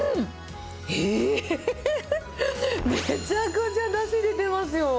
えー、めちゃくちゃだし出てますよ。